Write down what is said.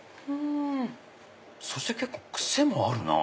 そして結構癖もあるなぁ。